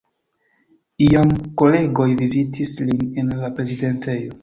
Iam kolegoj vizitis lin en la prezidentejo.